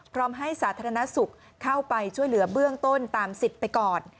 พร้อมให้สาธารณสุขเข้าไปช่วยเหลือเบื้องต้นตามสิทธิ์ไปก่อน